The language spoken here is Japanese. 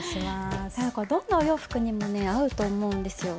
どんなお洋服にもね合うと思うんですよ。